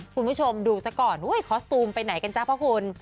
คุณผู้ชมดูซะก่อนคอสตูมไปไหนกันจ๊ะพระคุณ